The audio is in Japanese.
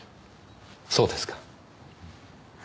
そうですか。